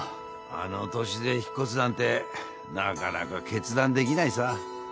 あの年で引っ越すなんてなかなか決断できないさ。